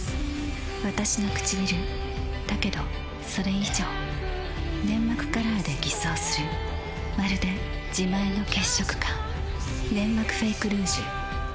わたしのくちびるだけどそれ以上粘膜カラーで偽装するまるで自前の血色感「ネンマクフェイクルージュ」